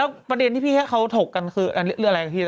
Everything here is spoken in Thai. ประเด็นที่พี่ให้เขาถกกันคือเรื่องอะไรพี่